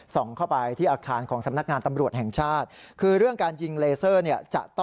ส่องเข้าไปที่อาคารของสำนักงานตำรวจแห่งชาติ